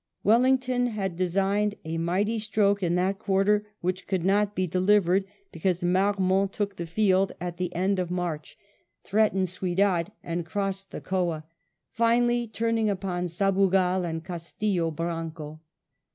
Wellington had designed a mighty stroke in that quarter which could not be delivered, because Marmont took the field at the end of March, threatened Ciudad and crossed the Coa, finally turning upon Sabugal and Castillo Branco.